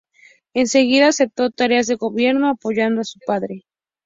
Enseguida aceptó tareas de gobierno, apoyando a su padre.